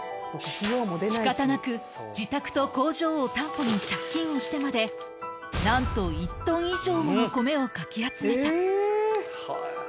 しかたなく、自宅と工場を担保に借金をしてまで、なんと、１トン以上もの米をかき集めた。